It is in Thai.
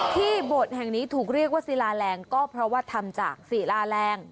บทแห่งนี้ถูกเรียกว่าศิลาแรงก็เพราะว่าทำจากศิลาแรง